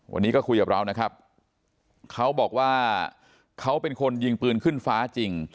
วันนี้ก็คุยกับเรานะครับเขาบอกว่าเขาเป็นคนยิงปืนขึ้นฟ้าจริง